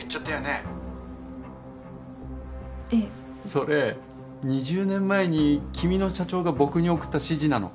それ２０年前に君の社長が僕に送った指示なの。